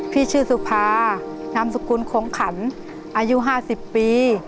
ชื่อสุภานามสกุลคงขันอายุ๕๐ปี